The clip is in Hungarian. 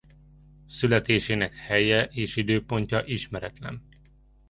Születésének helye és időpontja ismeretlen.